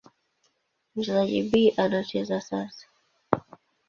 Mchezaji B anacheza sasa.